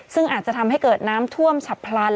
ซึ่งอาจจะทำให้เกิดน้ำท่วมฉับพลัน